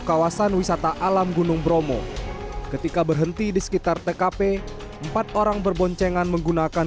kawasan wisata alam gunung bromo ketika berhenti di sekitar tkp empat orang berboncengan menggunakan